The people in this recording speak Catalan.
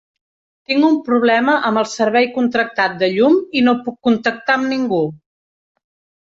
Tinc un problema amb el servei contractat de llum i no puc contactar amb ningú.